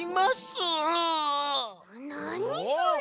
なにそれ！